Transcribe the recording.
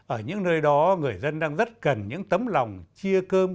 ở những nơi đó người dân đang rất cần những tấm lòng chia cơm